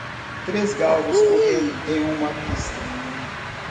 Três galgos correndo em uma pista